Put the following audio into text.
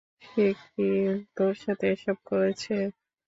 সে কি তোর সাথে এসব করেছে?